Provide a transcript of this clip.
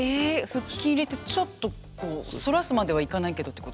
腹筋入れてちょっとこう反らすまではいかないけどってことですか。